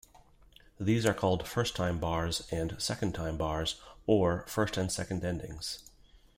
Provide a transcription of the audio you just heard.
These are called "first-time bars" and "second-time bars", or "first and second endings".